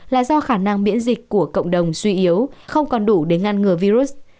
là do khả năng miễn dịch của cộng đồng suy yếu không còn đủ để ngăn ngừa virus